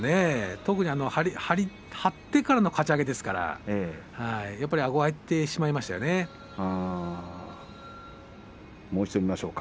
特に張ってからのかち上げですからやっぱりあごが空いてしまいましたね。